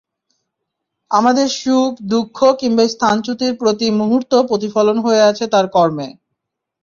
আমাদের সুখ, দুঃখ কিংবা স্থানচ্যুতির প্রতি মুহূর্ত প্রতিফলন হয়ে আছে তাঁর কর্মে।